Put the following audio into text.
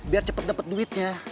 biar cepet dapet duitnya